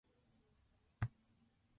たった二人だけの